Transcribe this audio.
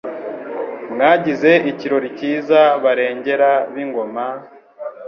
Mwagize ikirori cyiza Barengera b'ingoma,